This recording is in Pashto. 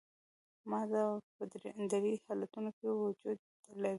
ماده په درې حالتونو کې وجود لري.